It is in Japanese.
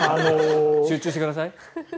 集中してください。